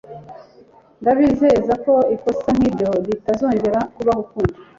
Ndabizeza ko ikosa nkiryo ritazongera kubaho ukundi.